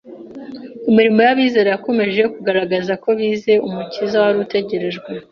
imirimo y’abizera yakomeje kugaragaza ko bizera Umukiza wari utegerejwe.